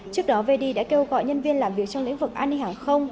trước đó vd đã kêu gọi nhân viên làm việc trong lĩnh vực an ninh hàng không